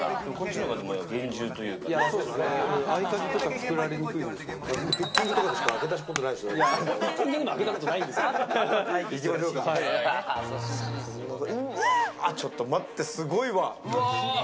ちょっと待って、すごいわ。